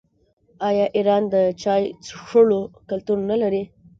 آیا ایران د چای څښلو کلتور نلري؟